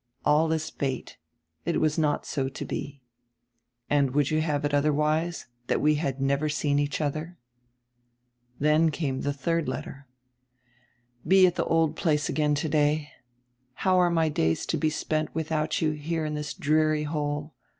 All is fate; it was not so to be. And would you have it otherwise — that we had never seen each other?" Then came die diird letter: "Be at die old place again today. How are my days to be spent without you here in diis dreary hole?